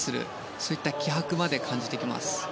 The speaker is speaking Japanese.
そういった気迫まで感じてきます。